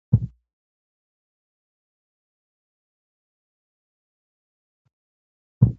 له هندوکش هاخوا الخون هونيان واکمن وو